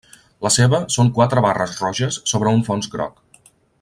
La seva són quatre barres roges sobre un fons groc.